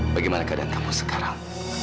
bagaimana keadaan kamu sekarang